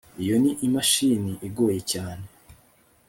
iyo ni imashini igoye cyane